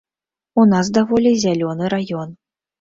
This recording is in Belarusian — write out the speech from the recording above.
У нас даволі зялёны раён.